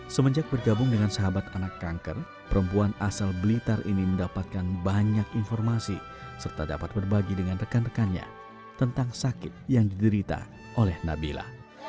semenjak bergabung dengan sahabat anak kanker perempuan asal blitar ini mendapatkan banyak informasi serta dapat berbagi dengan rekan rekannya tentang sakit yang diderita oleh nabila